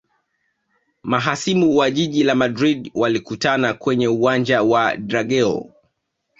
mahasimu wa jiji la madrid walikutana kwenye uwanja wa drageo